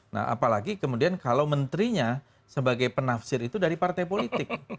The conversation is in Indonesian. nah apalagi kemudian kalau menterinya sebagai penafsir itu dari partai politik